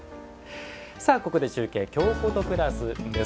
ここで中継「京コト＋」です。